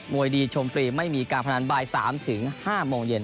วยดีชมฟรีไม่มีการพนันบ่าย๓ถึง๕โมงเย็น